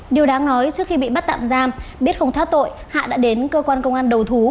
điều đáng nói trước khi bị bắt tạm giam biết không thoát tội hạ đã đến cơ quan công an đầu thú